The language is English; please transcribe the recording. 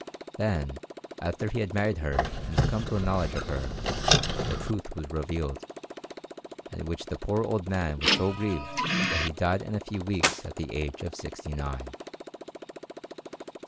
Then, after he had married her and come to a knowledge of her, the truth was revealed, at which the poor old man was so grieved that he died in a few weeks at the age of sixty nine.